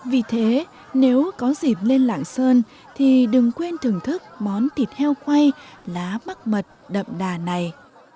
vì thế nếu có dịp lên lạng sơn thì đừng quên thưởng thức món thịt heo quay lá mắc mật đậm đà này